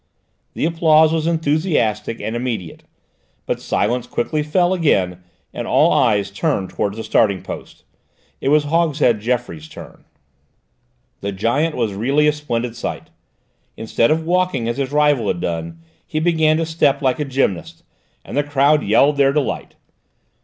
The applause was enthusiastic and immediate, but silence quickly fell again and all eyes turned towards the starting post. It was Hogshead Geoffroy's turn. The giant was really a splendid sight. Instead of walking as his rival had done, he began to step like a gymnast, and the crowd yelled their delight.